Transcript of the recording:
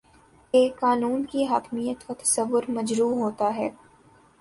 کہ قانون کی حاکمیت کا تصور مجروح ہوتا ہے